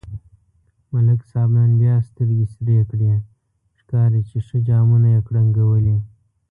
ملک صاحب نن بیا سترگې سرې کړي، ښکاري چې ښه جامونه یې کړنگولي.